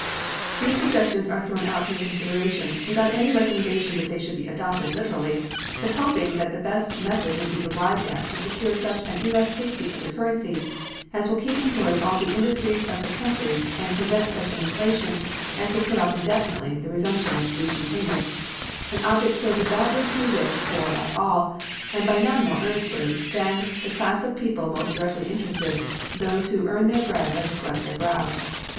These suggestions are thrown out for your consideration, without any recommendation that they shall be adopted literally, but hoping that the best method may be arrived at to secure such an elasticity of the currency as will keep employed all the industries of the country and prevent such an inflation as will put off indefinitely the resumption of specie payments, an object so devoutly to be wished for by all, and by none more earnestly than the class of people most directly interested those who "earn their bread by the sweat of their brow."